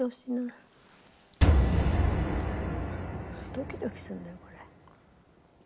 ドキドキするんだよこれ。